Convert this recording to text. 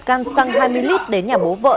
căn xăng hai mươi lít đến nhà bố vợ